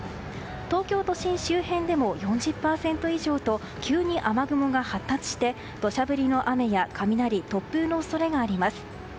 東京都心周辺でも４０％以上と急に雨雲が発達して土砂降りの雨や雷突風の恐れもあります。